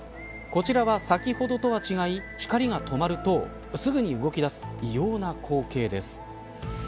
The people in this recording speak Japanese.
こちらは、先ほどとは違い光が止まると、すぐに動きだすような光景です。